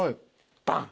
バン！